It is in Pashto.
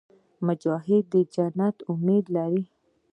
مجاهد د جنت امید لري.